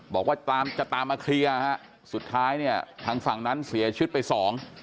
บอกว่าจะตามมาเคลียร์สุดท้ายทางฝั่งนั้นเสียชุดไปสอง